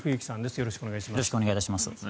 よろしくお願いします。